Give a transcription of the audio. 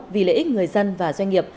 vì lợi ích người dân và doanh nghiệp